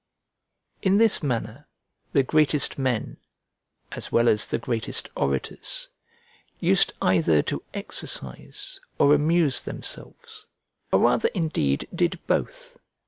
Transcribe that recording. In this manner the greatest men, as well as the greatest orators, used either to exercise or amuse themselves, or rather indeed did both.